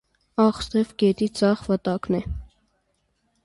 Աղստև գետի ձախ վտակն է։